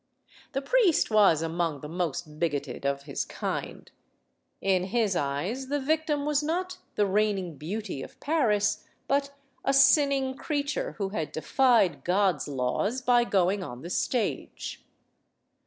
The priest was among the most bigoted of his kind. In his eyes, the victim was not the reigning beauty of ADRIENNE LECOUVREUR 133 Paris, but a sinning creature who had defied God's laws by going on the stage.